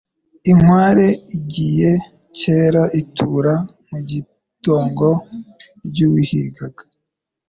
Inkware (igiye cyera) itura mu itongo ry’uwayihigaga